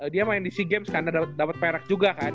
dia main di sea games karena dapat perak juga kan